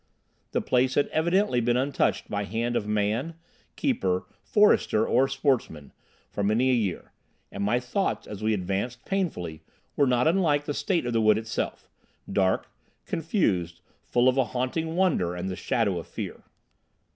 The place had evidently been untouched by hand of man, keeper, forester or sportsman, for many a year; and my thoughts, as we advanced painfully, were not unlike the state of the wood itself—dark, confused, full of a haunting wonder and the shadow of fear.